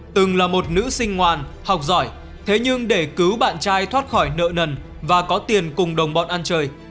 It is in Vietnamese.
từng là một nữ sinh ngoan học giỏi thế nhưng để cứu bạn trai thoát khỏi nợ nần và có tiền cùng đồng bọn ăn chơi